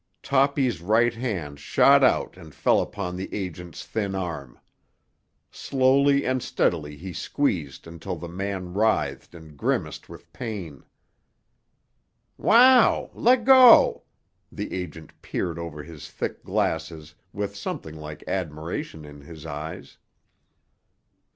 Toppy's right hand shot out and fell upon the agent's thin arm. Slowly and steadily he squeezed until the man writhed and grimaced with pain. "Wow! Leggo!" The agent peered over his thick glasses with something like admiration in his eyes.